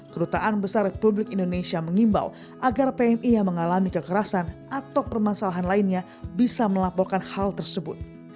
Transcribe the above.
kedutaan besar republik indonesia mengimbau agar pmi yang mengalami kekerasan atau permasalahan lainnya bisa melaporkan hal tersebut